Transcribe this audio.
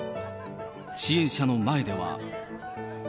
支援者の前では。